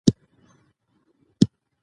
دهلمند خلګ ډیر میلمه پاله او مهربان دي